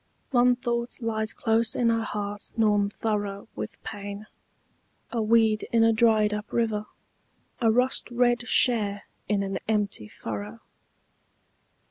One thought lies close in her heart gnawn thorough With pain, a weed in a dried up river, A rust red share in an empty furrow.